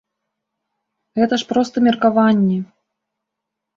Гэта ж проста меркаванні!